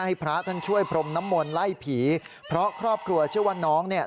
ให้พระท่านช่วยพรมน้ำมนต์ไล่ผีเพราะครอบครัวเชื่อว่าน้องเนี่ย